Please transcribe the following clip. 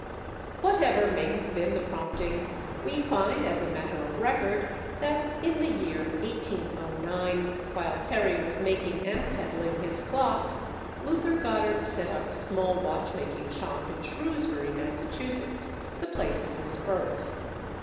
Whatever may have been the prompting, we find, as a matter of record, that, in the year 1809, while Terry was making and peddling his clocks, Luther Goddard set up a small watch making shop in Shrewsbury, Massachusetts, the place of his birth.